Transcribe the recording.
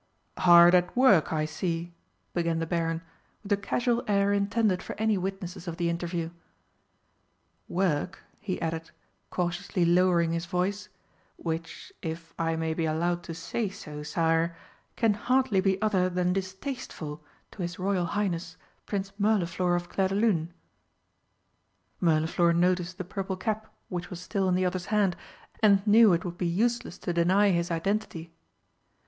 "Hard at work, I see," began the Baron, with a casual air intended for any witnesses of the interview. "Work," he added, cautiously lowering his voice, "which, if I may be allowed to say so, Sire, can hardly be other than distasteful to his Royal Highness Prince Mirliflor of Clairdelune." Mirliflor noticed the purple cap which was still in the other's hand, and knew it would be useless to deny his identity.